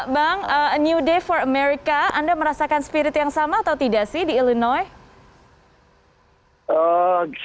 bang a new day for america anda merasakan spirit yang sama atau tidak sih di illinois